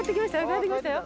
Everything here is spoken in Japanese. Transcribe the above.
帰ってきましたよ。